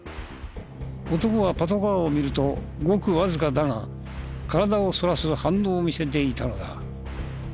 男はパトカーを見るとごくわずかだが体をそらす反応を見せていたのだ。